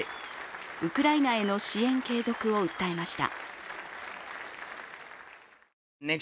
ウクライナへの支援継続を訴えました。